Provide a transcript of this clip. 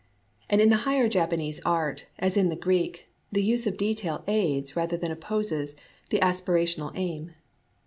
And in the higher Japanese art, as in the Greek, the use of detail aids rather than opposes the aspirational aim.